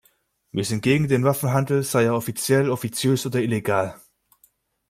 Wir sind gegen den Waffenhandel, sei er offiziell, offiziös oder illegal.